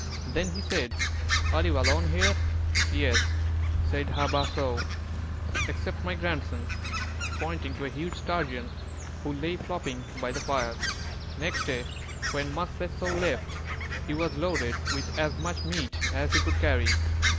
Then he said, "Are you alone here?" "Yes," said Hā bāh so, "except my grandson;" pointing to a huge Sturgeon who lay flopping by the fire. Next day when Mūs bes so left, he was loaded with as much meat as he could carry.